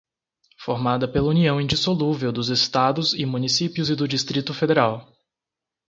formada pela união indissolúvel dos Estados e Municípios e do Distrito Federal